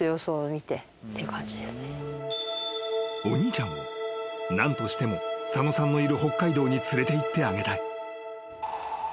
［お兄ちゃんを何としても佐野さんのいる北海道に連れていってあげたい］